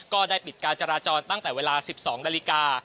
ก็ได้ปิดการจราจรตั้งแต่เวลา๑๒นาฬิกา